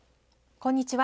こんにちは。